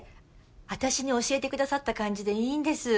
私に教えてくださった感じでいいんです。